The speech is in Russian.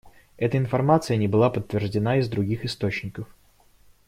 Эта информация не была подтверждена из других источников.